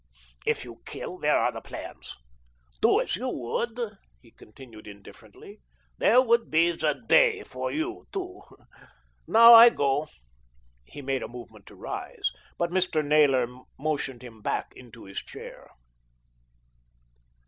"If you kill, where are the plans? Do as you would," he continued indifferently. "There will be The Day for you, too. Now I go." He made a movement to rise; but Mr. Naylor motioned him back into his chair.